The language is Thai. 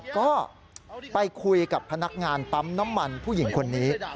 ก็ไปคุยกับพนักงานปั๊มน้ำมันผู้หญิงคนนี้